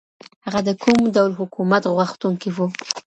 هغه د کوم ډول حکومت غوښتونکی و؟